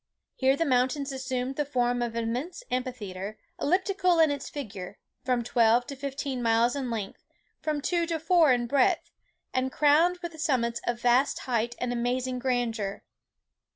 Here the mountains assumed the form of an immense amphitheatre, elliptical in its figure, from twelve to fifteen miles in length, from two to four in breadth, and crowned with summits of vast height and amazing grandeur.